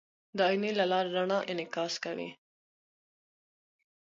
د آیینې له لارې رڼا انعکاس کوي.